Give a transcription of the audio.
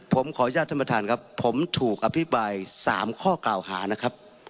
ผมขออนุญาตท่านประธานครับผมถูกอภิปราย๓ข้อกล่าวหานะครับ